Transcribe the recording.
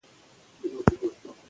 آیا ټول صفوي پاچاهان ظالم وو؟